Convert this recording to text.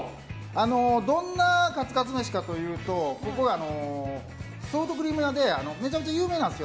どんなカツカツ飯かというとソフトクリーム屋でめちゃくちゃ有名なんですよ。